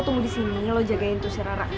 tunggu disini lo jagain tuh si rara